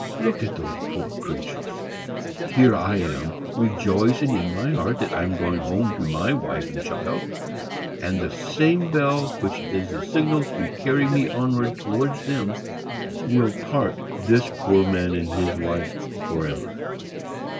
Look at those poor creatures! Here I am, rejoicing in my heart that I am going home to my wife and child; and the same bell which is the signal to carry me onward towards them will part this poor man and his wife forever.